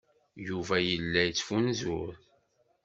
Yuba yella yettfunzur.